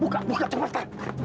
buka buka cepet pak